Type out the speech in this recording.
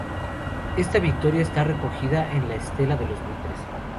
Esta victoria está recogida en la "Estela de los Buitres".